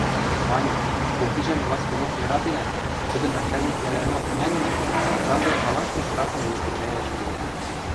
Мане, кугижӓн властьымок яратенӓт, тӹдӹн начальниквлӓлӓнок ӹняненӓт, Шандор халашкы штрафшым лопочаяш кеӓ.